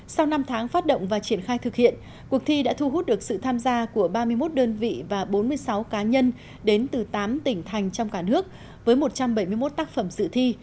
sau năm tháng phát động và triển khai thực hiện cuộc thi đã thu hút được sự tham gia của ba mươi một đơn vị và bốn mươi sáu cá nhân đến từ tám tỉnh thành trong cả nước với một trăm bảy mươi một tác phẩm dự thi